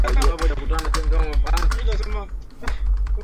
Hii inahusisha kuondolewa kwa sehemu za siri mara nyingi pia labia minora